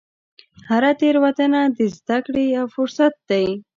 هره تېروتنه د زده کړې یو فرصت دی.